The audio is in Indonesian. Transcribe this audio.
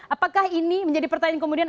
apakah ini menjadi pertanyaan kemudian